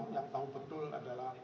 yang tahu betul adalah